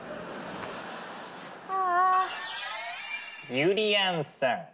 ゆりやんさん。